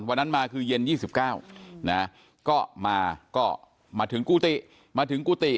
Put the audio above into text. วันนั้นมาคือเย็น๒๙นะก็มาก็มาถึงกุฏิมาถึงกุฏิ